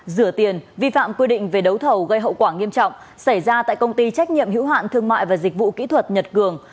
rửa tiền vi phạm quy định về đấu thầu gây hậu quả nghiêm trọng xảy ra tại công ty trách nhiệm hữu hạn thương mại và dịch vụ kỹ thuật nhật cường